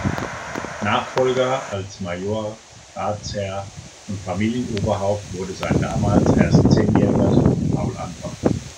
Nachfolger als Majoratsherr und Familienoberhaupt wurde sein damals erst zehnjähriger Sohn Paul Anton.